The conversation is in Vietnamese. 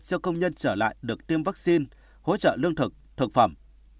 cho công nhân trở lại được tiêm vaccine hỗ trợ lương thực thực phẩm